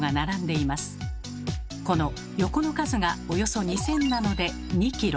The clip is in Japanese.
この横の数がおよそ２，０００なので２キロ